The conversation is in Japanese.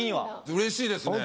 うれしいですね。